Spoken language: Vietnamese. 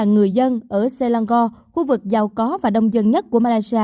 một mươi năm người dân ở selangor khu vực giàu có và đông dân nhất của malaysia